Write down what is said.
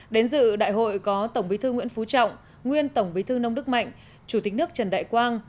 đến dự đại hội có tổng bí thư nguyễn phú trọng nguyên tổng bí thư nông đức mạnh chủ tịch nước trần đại quang